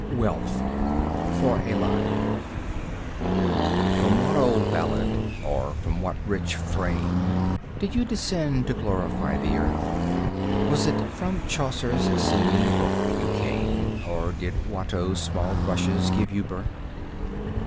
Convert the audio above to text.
Wealth (For Aline) From what old ballad, or from what rich frame Did you descend to glorify the earth? Was it from Chaucer's singing book you came? Or did Watteau's small brushes give you birth?